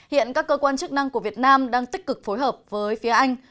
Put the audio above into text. hiện các cơ quan chức năng của việt nam đang tích cực phối hợp với phía anh